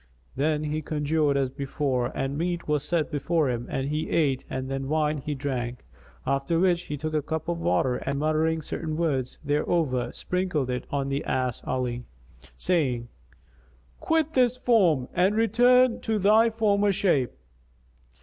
Then he conjured as before and meat was set before him and he ate and then wine when he drank; after which he took a cup of water and muttering certain words thereover, sprinkled it on the ass Ali, saying, "Quit this form and return to thy former shape."